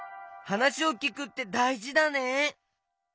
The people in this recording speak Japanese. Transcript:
はなしをきくってだいじだね。